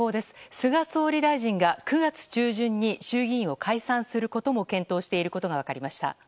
菅総理大臣が９月中旬に衆議院を解散することを検討していることが分かりました。